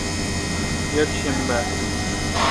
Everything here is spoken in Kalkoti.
یکشنبہ